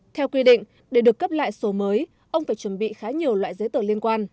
theo quy định để được cấp lại số mới ông phải chuẩn bị khá nhiều loại giấy tờ liên quan